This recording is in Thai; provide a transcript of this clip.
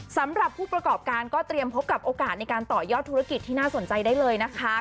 สำหรับผู้ประกอบการก็เตรียมพบกับโอกาสในการต่อยอดธุรกิจที่น่าสนใจได้เลยนะคะ